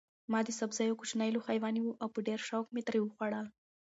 ما د سبزیو کوچنی لوښی ونیو او په ډېر شوق مې ترې وخوړل.